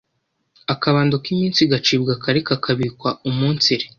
akabando k’iminsi gacibwa kare kakabikwa umunsire;